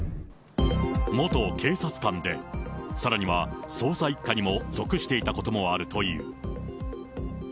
元警察官で、さらには捜査一課にも属していたこともあるという。